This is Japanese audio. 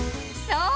そう！